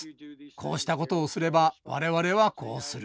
こうしたことをすれば我々はこうする。